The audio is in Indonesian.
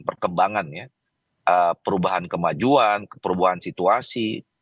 perkembangan ya perubahan kemajuan perubahan situasi